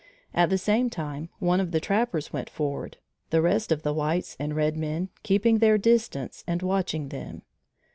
At the same time, one of the trappers went forward, the rest of the whites and red men keeping their distance and watching them.